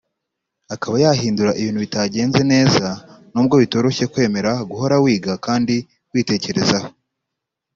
akaba yahindura ibintu bitagenze neza nubwo bitoroshye kwemera guhora wiga kandi witekerezaho